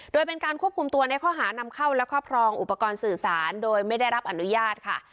โดยเป็นการควบคุมตัวในข้อหานำเข้าและครอบครองอุปกรณ์สื่อสารโดยไม่ได้รับอนุญาตค่ะ